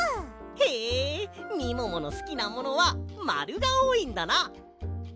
へえみもものすきなものはまるがおおいんだな。